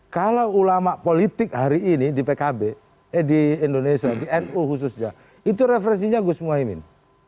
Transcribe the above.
kalau ulama politik hari ini di pkb eh di indonesia di nu khususnya itu referensinya gus muhaymin